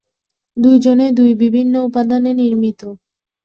দুইজনে দুই বিভিন্ন উপাদানে নির্মিত।